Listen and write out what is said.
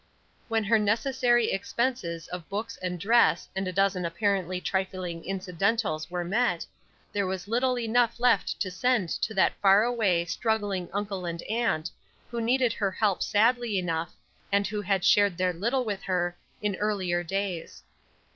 When her necessary expenses of books and dress, and a dozen apparently trifling incidentals were met, there was little enough left to send to that far away, struggling uncle and aunt, who needed her help sadly enough, and who had shared their little with her in earlier days.